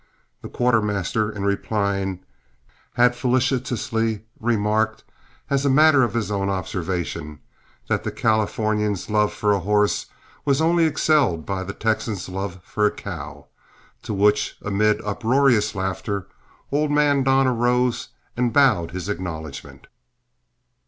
The quartermaster, in replying, had felicitously remarked, as a matter of his own observation, that the Californian's love for a horse was only excelled by the Texan's love for a cow, to which, amid uproarious laughter, old man Don arose and bowed his acknowledgment.